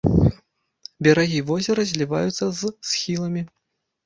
Берагі возера зліваюцца з схіламі.